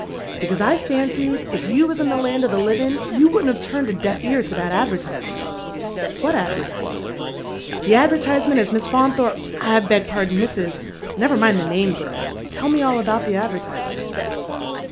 '"" Because I fancied if you was in the land of the livia' you vyouldn't have turned a deaf ear to that advertisement." " What advertisement ?"" The advertisement as Miss Faunthoi pe — I beg pardon, Mrs. It " Never mind the name, g^l. Tell me all about the advertise ment."